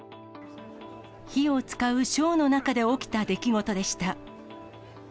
火を使うショーの中で起きた出来事でした。